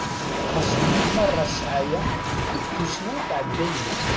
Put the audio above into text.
Ɣas tif meṛṛa sɛaya, nekk tussna tɛedda-yi.